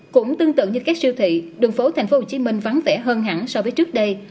cũng tương tự như các siêu thị đường phố tp hcm vắng vẻ hơn hẳn so với trước đây